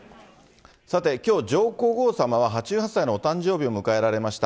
さて、きょう、上皇さまが８８歳のお誕生日を迎えられました。